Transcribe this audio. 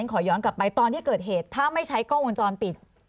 ขอย้อนกลับไปตอนที่เกิดเหตุถ้าไม่ใช้กล้องวงจรปิด